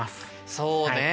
そうね。